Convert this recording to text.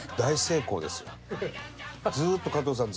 ずーっと加藤さん